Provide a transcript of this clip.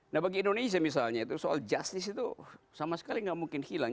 nah bagi indonesia misalnya itu soal justice itu sama sekali nggak mungkin hilang